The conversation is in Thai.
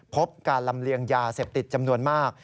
พบการลำเลียงยาเสพติดจำนวนมาก